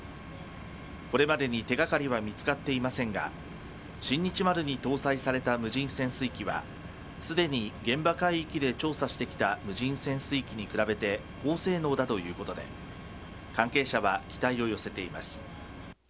これまでに手掛かりは見つかっていませんが新日丸に搭載された無人潜水機はすでに現場海域で調査してきた無人潜水機に比べて高性能だということで関係者は期待を寄せています。